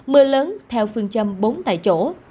mưa lớn theo phương châm bốn tại chỗ